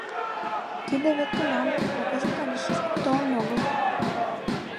— Тиде вет тунам, а кызыт але шӱшпык толын огыл.